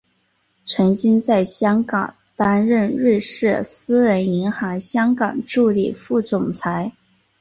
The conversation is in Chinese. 曾经在香港担任瑞士私人银行香港助理副总裁。